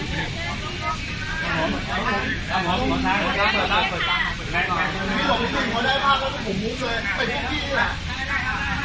สะพานที่ปลอดภัยกันเวลา๘เมตร